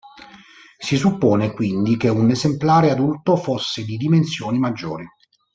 Si suppone quindi che un esemplare adulto fosse di dimensioni maggiori.